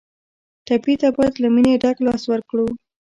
ټپي ته باید له مینې ډک لاس ورکړو.